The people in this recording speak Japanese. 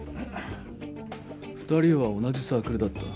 ２人は同じサークルだった。